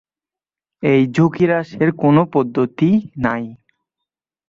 এই ঝুঁকি হ্রাসের কোন পদ্ধতি নাই।